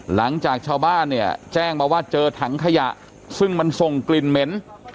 หลังจากชาวบ้านเนี่ยแจ้งมาว่าเจอถังขยะซึ่งมันส่งกลิ่นเหม็น